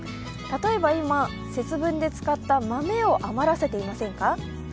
例えば今、節分で使った豆を余らせていませんか？